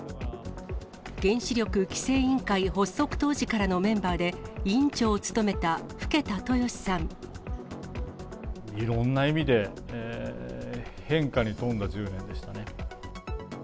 原子力規制委員会発足当時からのメンバーで、いろんな意味で、変化に富んだ１０年でしたね。